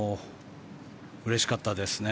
うれしかったですね。